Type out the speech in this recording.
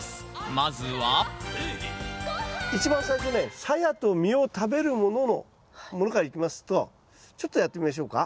まずは一番最初ねサヤと実を食べるものからいきますとちょっとやってみましょうか？